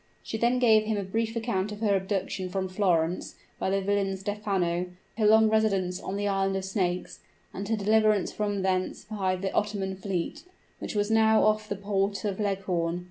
She then gave him a brief account of her abduction from Florence by the villain Stephano her long residence on the island of snakes and her deliverance from thence by the Ottoman fleet, which was now off the port of Leghorn.